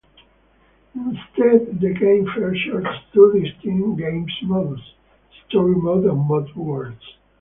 Instead, the game features two distinct game modes; "Story Mode" and "Mob Wars.